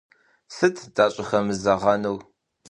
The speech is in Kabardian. Сыт дащӏыхэмызэгъэнур?